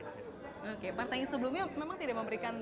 oke partai yang sebelumnya memang tidak memberikan